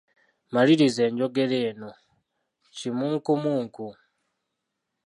Maliriza enjogera eno: Kimunkumunku, ……